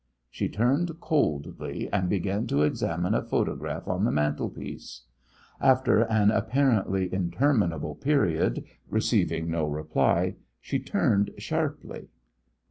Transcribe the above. She turned coldly, and began to examine a photograph on the mantelpiece. After an apparently interminable period, receiving no reply, she turned sharply.